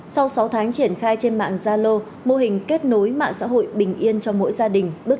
sau sáu tháng triển khai trên mạng zalo mô hình kết nối mạng xã hội bình yên cho mỗi gia đình bước